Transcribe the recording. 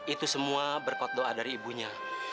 itu semua berkat doa dari ibunya